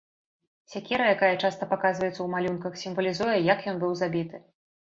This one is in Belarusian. Сякера, якая часта паказваецца ў малюнках сімвалізуе, як ён быў забіты.